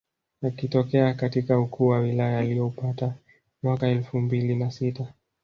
Akitokea katika ukuu wa wilaya alioupata mwaka elfu mbili na sita